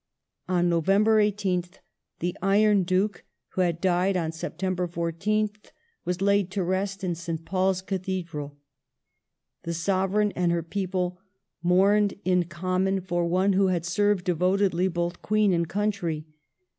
On November 18th, the Iron Duke, who had died on September Death of 14th, was laid to rest in St. Paul's Cathedral. The Sovereign and ^^^Jd^^ her people mourned in common for one who had served devotedly lington both Queen and country.